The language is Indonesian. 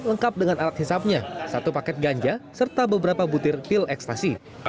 lengkap dengan alat hisapnya satu paket ganja serta beberapa butir pil ekstasi